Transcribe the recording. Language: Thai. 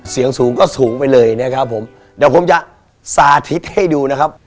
เสียงสูงก็สูงไปเลยนะครับผมเดี๋ยวผมจะสาธิตให้ดูนะครับ